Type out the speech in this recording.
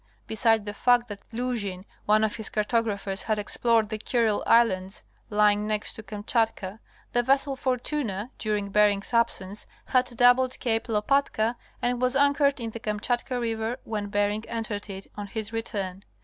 Beside the fact that Luzhin, one of his cartographers, had explored the Kurile Islands lying next to Kamchatka, the vessel Fortuna during Bering's absence had doubled Cape Lopatka and was anchored in the Kamchatka River when Bering entered it on his return.